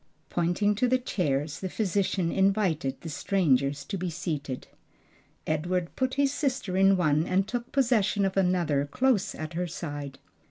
Pointing to the chairs, the physician invited the strangers to be seated. Edward put his sister in one and took possession of another close at her side.